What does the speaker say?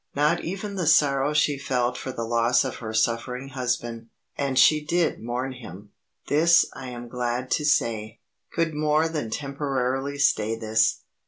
Not even the sorrow she felt for the loss of her suffering husband and she did mourn him; this I am glad to say could more than temporarily stay this.